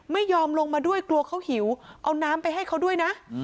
ไม่ยอมลงมาด้วยกลัวเขาหิวเอาน้ำไปให้เขาด้วยนะ